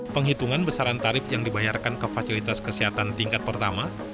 penghitungan besaran tarif yang dibayarkan ke fasilitas kesehatan tingkat pertama